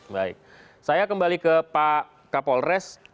baik saya kembali ke pak kapolres